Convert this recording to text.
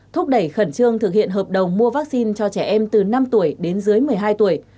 thúc đẩy khẩn trương thực hiện hợp đồng mua vaccine cho trẻ em từ năm tuổi đến dưới một mươi hai tuổi